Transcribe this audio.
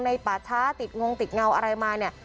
ป่าช้าติดงงติดเงาอะไรมาเนี่ย